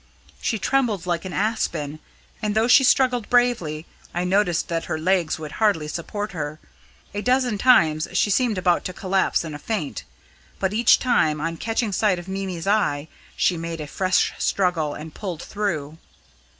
She trembled like an aspen, and though she struggled bravely, I noticed that her legs would hardly support her. A dozen times she seemed about to collapse in a faint, but each time, on catching sight of Mimi's eyes, she made a fresh struggle and pulled through.